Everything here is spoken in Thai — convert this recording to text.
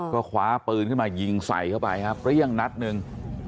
ก็คว้าปืนขึ้นมายิงใส่เข้าไปครับเปรี้ยงนัดหนึ่ง